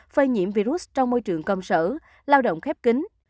phơi nhiễm virus trong môi trường công sở lao động khép kính